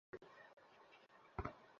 এখন মনেহচ্ছে, ও তোর সাথেই ঠিক আছে।